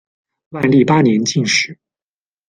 万历八年进士。